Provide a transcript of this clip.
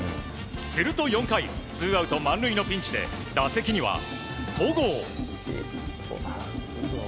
すると、４回ツーアウト満塁のピンチで打席には戸郷。